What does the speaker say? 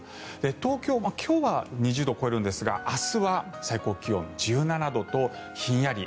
東京、今日は２０度を超えるんですが明日は最高気温１７度とひんやり。